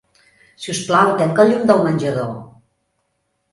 Si us plau, tanca el llum del menjador.